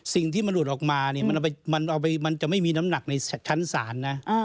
สิ่งที่มันหลุดออกมาเนี่ยมันจะไม่มีน้ำหนักในชั้นศาลนะ